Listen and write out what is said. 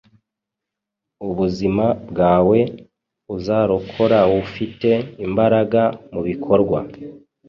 Ubuzima bwawe uzarokoraufite imbaraga mubikorwa